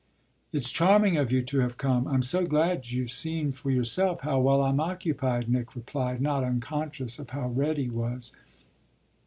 "It's charming of you to have come. I'm so glad you've seen for yourself how well I'm occupied," Nick replied, not unconscious of how red he was.